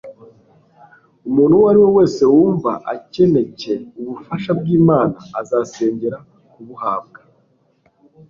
Umuntu uwo ari we wese wumva akencye ubufasha bw'Imana azasengera kubuhabwa;